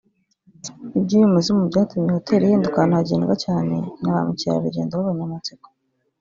Iby’uyu muzimu byatumye iyi hotel ihinduka ahantu hagendwa cyane na ba mukerarugendo b’abanyamatsiko